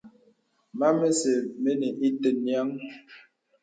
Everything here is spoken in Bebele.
Mam məsə̀ mənə ìtə nyìəŋ.